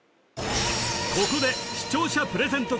ここで視聴者プレゼント